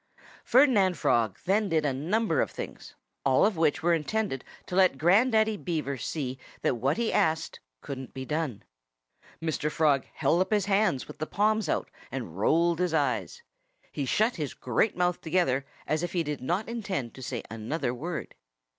Ferdinand Frog then did a number of things, all of which were intended to let Grandaddy Beaver see that what he asked couldn't be done. Mr. Frog held up his hands with the palms out and rolled his eyes; he shut his great mouth together as if he did not intend to say another word.